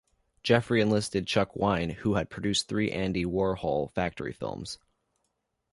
Jeffery enlisted Chuck Wein, who had produced three Andy Warhol Factory films.